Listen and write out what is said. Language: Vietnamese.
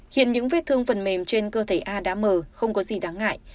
hiện những vết thương phần mềm trên cơ thể a đã mờ không có gì đáng ngại